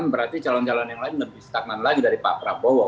nah kalau saya lihat calon calon yang lain lebih stagnan lagi dari pak prabowo